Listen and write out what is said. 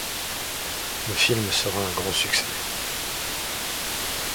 Le film sera un très grand succès.